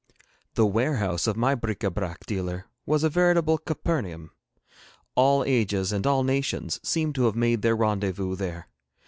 The warehouse of my bric Ă brac dealer was a veritable Capharnaum. All ages and all nations seemed to have made their rendezvous there.